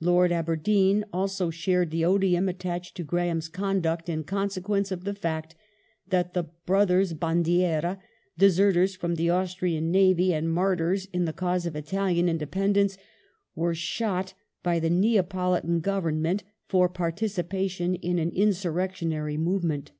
Lord Aberdeen also shared the odium attaching to Graham's conduct in consequence of the fact that the brothers Bandiera — deserters from the Austrian navy, and martyrs in the cause of Italian independence — were shot by the Neapolitan Government for participation in an insurrectionary movement.